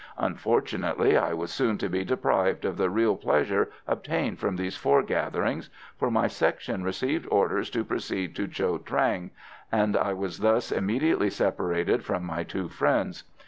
Unfortunately, I was soon to be deprived of the real pleasure obtained from these foregatherings, for my section received orders to proceed to Cho Trang, and I was thus suddenly separated from my two friends.